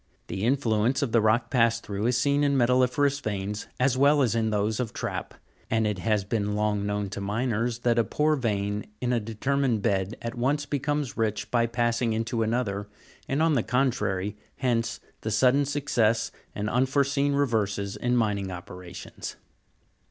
The influence of the rock passed through is seen in metalli'ferous veins, as well as in those of trap; and it has been long known to miners, that a poor vein in a determined bed at once becomes rich by pass ing into another, and the contrary : hence, the sudden success and unfore seen reverses in mining operations.